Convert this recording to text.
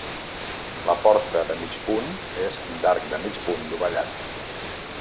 La porta de mig punt és d'arc de mig punt dovellat.